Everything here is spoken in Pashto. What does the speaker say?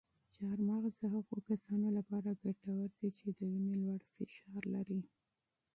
چهارمغز د هغو کسانو لپاره ګټور دي چې د وینې لوړ فشار لري.